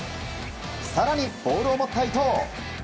更に、ボールを持った伊東。